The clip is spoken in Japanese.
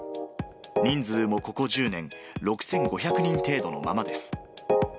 人数もここ１０年、６５００人程度のままです。